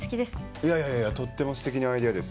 いやいやいやとってもすてきなアイデアです。